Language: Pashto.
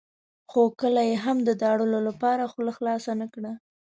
خو کله یې هم د داړلو لپاره خوله خلاصه نه کړه.